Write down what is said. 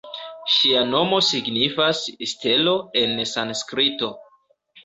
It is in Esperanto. Ŝia nomo signifas ""Stelo"" en sanskrito.